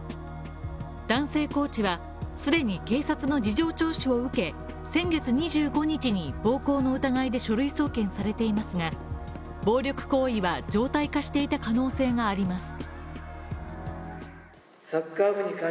男性コーチは既に警察の事情聴取を受け、先月２５日に暴行の疑いで書類送検されていますが、暴力行為は常態化していた可能性があります。